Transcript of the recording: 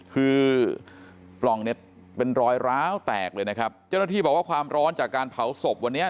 คือปล่องเนี่ยเป็นรอยร้าวแตกเลยนะครับเจ้าหน้าที่บอกว่าความร้อนจากการเผาศพวันนี้